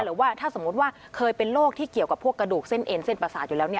หรือว่าถ้าสมมุติว่าเคยเป็นโรคที่เกี่ยวกับพวกกระดูกเส้นเอ็นเส้นประสาทอยู่แล้ว